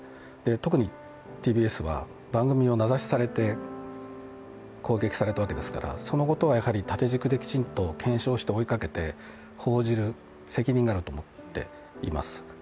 特にＴＢＳは番組を名指しされて攻撃されたわけですからそのことは縦軸できちんと検証して追いかけて、報じる責任があると思っています。